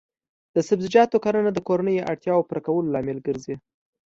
د سبزیجاتو کرنه د کورنیو اړتیاوو پوره کولو لامل ګرځي.